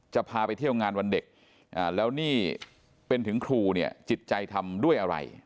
จะพาไปเที่ยวงานวันเด็กแล้วนี่เป็นถึงครูเนี่ยจิตใจทำด้วยอะไร